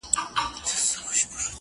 وني وویل پر ملا ځکه ماتېږم٫